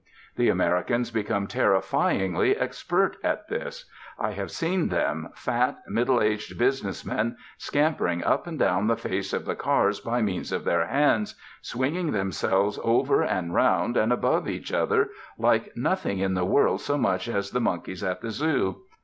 The Americans become terrifyingly expert at this. I have seen them, fat, middle aged business men, scampering up and down the face of the cars by means of their hands, swinging themselves over and round and above each other, like nothing in the world so much as the monkeys at the Zoo.